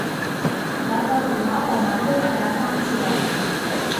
有個電話號碼一日打三次嚟